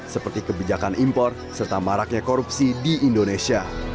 seperti kebijakan impor serta maraknya korupsi di indonesia